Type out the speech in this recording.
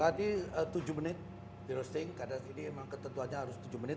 tadi tujuh menit di roasting karena ini memang ketentuannya harus tujuh menit